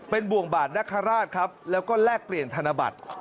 เป็นบ่วงบาทนคราชครับแล้วก็แลกเปลี่ยนธนบัตร